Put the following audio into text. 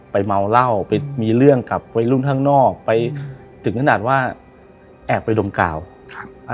เมาเหล้าไปมีเรื่องกับวัยรุ่นข้างนอกไปถึงขนาดว่าแอบไปดมกาวครับอ่า